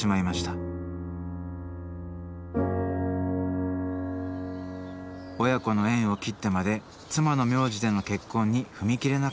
親子の縁を切ってまで妻の名字での結婚に踏み切れなかった私。